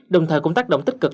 đồng thời cũng tác động tích cực